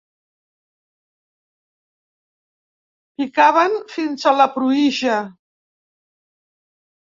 Picaven fins a la pruïja.